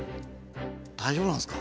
大丈夫なんですか？